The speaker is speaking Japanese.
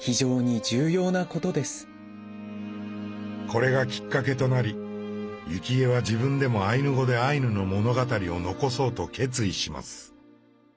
これがきっかけとなり幸恵は自分でもアイヌ語でアイヌの物語を残そうと決意します。